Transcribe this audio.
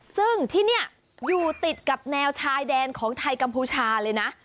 ซึ่งที่นี่อยู่ติดกับแนวชายแดนของไทยกัมพูชาเลยนะ